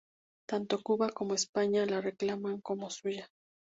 Tanto Cuba como España la reclaman como suya.